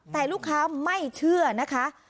แต่ลูกค้าไม่เชื่อนะคะ